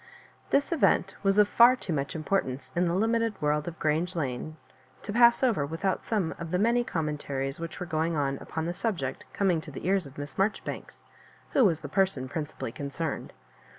This event was of far too much importance in the limited world of Grange Lane to pass over without some of the many commentaries which vere going on upon the subject coming to the ears of Miss Marjoribanks, who was the person principally concerned.